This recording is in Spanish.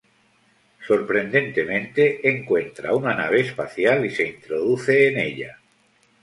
Sorprendentemente, encuentra una nave espacial y se introduce en ella.